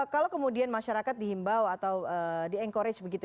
kalau kemudian masyarakat dihimbau atau diencourage